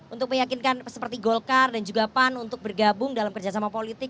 untuk meyakinkan seperti golkar dan juga pan untuk bergabung dalam kerjasama politik